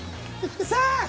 さあ！